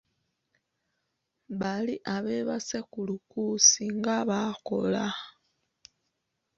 Bali abeebase ku lukuusi nga baakola!